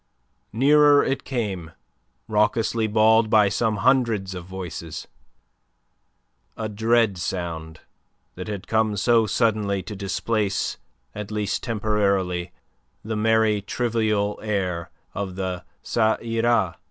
Nearer it came, raucously bawled by some hundreds of voices, a dread sound that had come so suddenly to displace at least temporarily the merry, trivial air of the "Ca ira!"